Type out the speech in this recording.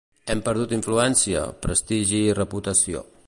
Hem perdut influència, prestigi i reputació.